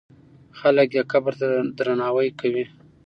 خلک یې قبر ته درناوی کوي.